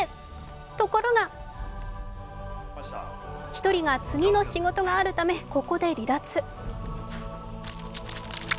ところが１人が次の仕事があるため、ここで離脱。